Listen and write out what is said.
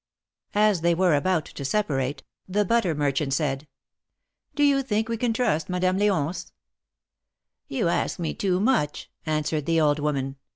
As they were about to separate, the butter merchant said : "Do you think we can trust Madame L4once?" "You ask me too much," answered the old woman.